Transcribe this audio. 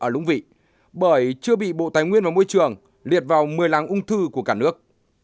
ở lũng vị bởi chưa bị bộ tài nguyên và môi trường liệt vào một mươi làng ung thư của cả nước